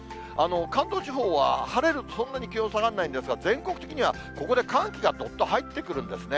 関東地方は晴れるとそんなに気温下がらないんですが、全国的にはここで寒気がどっと入ってくるんですね。